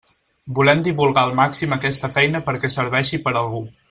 Volem divulgar al màxim aquesta feina perquè serveixi per a algú.